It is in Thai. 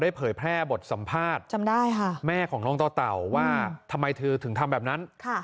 ได้เผยแพร่บทสัมภาษณ์แม่ของล้องเตาว่าทำไมถึงทำแบบนั้นค่ะ